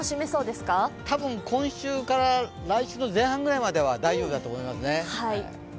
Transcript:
今週から来週の前半ぐらいまでは大丈夫だと思います。